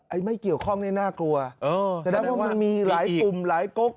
ไม่เกี่ยวข้องเนี่ยน่ากลัวเออแสดงว่ามันมีหลายกลุ่มหลายก๊ก